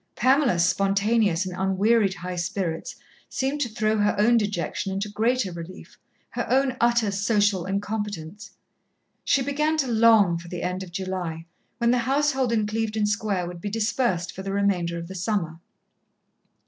Pamela's spontaneous and unwearied high spirits seemed to her to throw her own dejection into greater relief; her own utter social incompetence. She began to long for the end of July, when the household in Clevedon Square would be dispersed for the remainder of the summer.